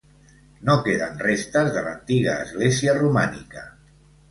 No queden restes de l'antiga església romànica.